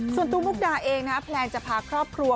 ส่วนตัวมุกดาเองนะแพลนจะพาครอบครัว